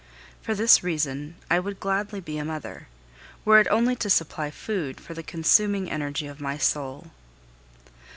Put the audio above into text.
For this reason, I would gladly be a mother, were it only to supply food for the consuming energy of my soul.